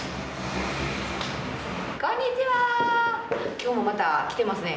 今日もまたきてますね